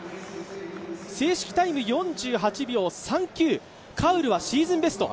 正式タイム４８秒３９、カウルはシーズンベスト。